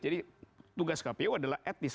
jadi tugas kpu adalah etnis